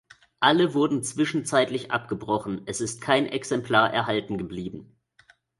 Alle wurden zwischenzeitlich abgebrochen, es ist kein Exemplar erhalten geblieben.